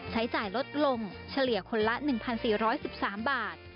ใช้จ่ายลดลงเฉลี่ยคนละ๑๔๑๓บาท